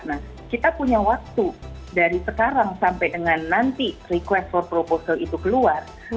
nah kita punya waktu dari sekarang sampai dengan nanti request for proposal itu keluar